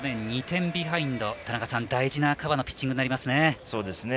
２点ビハインド大事な河野のピッチングになりますね。